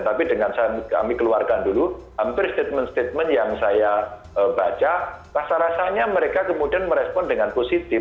tapi dengan kami keluarkan dulu hampir statement statement yang saya baca rasa rasanya mereka kemudian merespon dengan positif